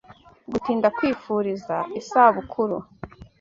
Gutinda kwifuriza isabukuru